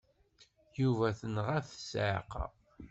Yuba tenɣa-t ssiɛqa.